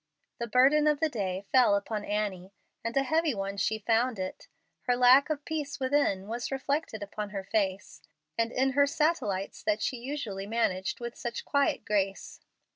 The burden of the day fell upon Annie, and a heavy one she found it. Her lack of peace within was reflected upon her face, and in her satellites that she usually managed with such quiet grace.